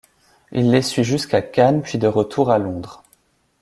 Il les suit jusqu'à Cannes puis de retour à Londres.